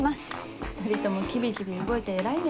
２人ともキビキビ動いて偉いね。